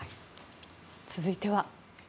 続いては。